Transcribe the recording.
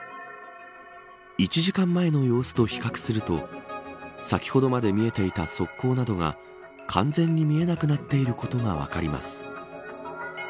１時間前の様子と比較すると先ほどまで見えていた側溝などが完全に見えなくなっていることが分かります。